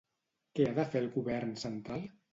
Què ha de fer el govern central?